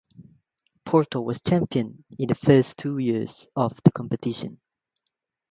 Porto was champion in the first two years of the competition.